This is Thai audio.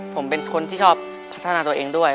ผมเป็นคนที่ชอบพัฒนาตัวเองด้วย